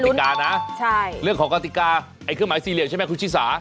กติกะนะใช่เรื่องของกติกะคนไหมซีเหลี่ยมใช่มั้ยคุณชิษา